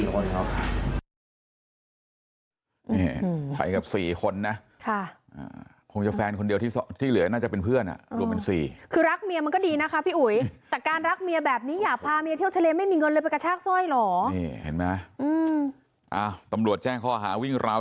ก็ไปเที่ยวเลื่อยเปื่อยเขาคนเดียวหรอ